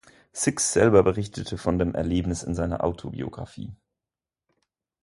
Sixx selber berichtete von dem Erlebnis in seiner Autobiografie.